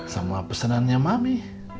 sama pesenannya mami